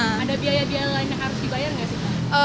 ada biaya biaya lain yang harus dibayar nggak sih